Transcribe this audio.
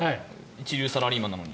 一流サラリーマンなのに。